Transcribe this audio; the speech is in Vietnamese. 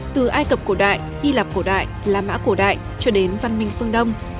từ ai cập cổ đại hy lạp cổ đại la mã cổ đại cho đến văn minh phương đông